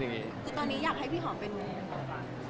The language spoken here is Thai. คือตอนนี้อยากให้พี่หอมเป็น